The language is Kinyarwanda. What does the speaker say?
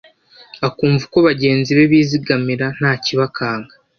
akumva uko bagenzi be bizigamira nta kibakanga,